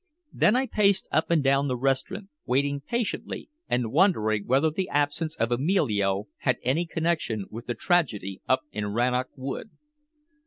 Then I paced up and down the restaurant, waiting patiently and wondering whether the absence of Emilio had any connection with the tragedy up in Rannoch Wood.